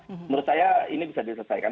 menurut saya ini bisa diselesaikan